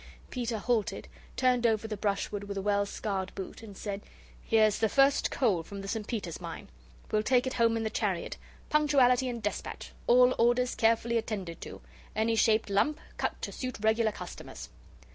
Peter halted, turned over the brushwood with a well scarred boot, and said: "Here's the first coal from the St. Peter's Mine. We'll take it home in the chariot. Punctuality and despatch. All orders carefully attended to. Any shaped lump cut to suit regular customers."